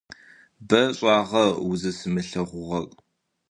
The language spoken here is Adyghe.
Бэшӏагъэ узысымылъэгъугъэр.